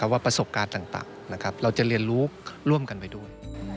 ว่าประสบการณ์ต่างเราจะเรียนรู้ร่วมกันไปด้วย